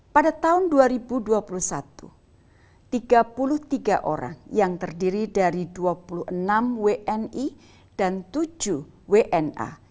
pada tahun dua ribu dua puluh satu tiga puluh tiga orang yang terdiri dari dua puluh enam wni dan tujuh wna